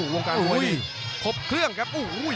วงการมวยนี่พบเครื่องครับ